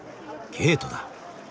ゲートだ。